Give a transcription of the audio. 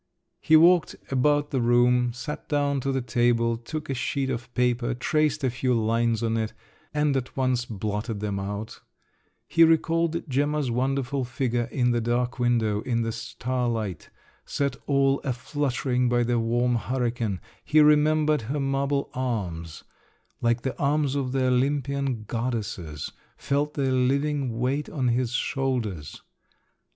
… He walked about the room, sat down to the table, took a sheet of paper, traced a few lines on it, and at once blotted them out…. He recalled Gemma's wonderful figure in the dark window, in the starlight, set all a fluttering by the warm hurricane; he remembered her marble arms, like the arms of the Olympian goddesses, felt their living weight on his shoulders….